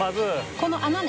この穴ね？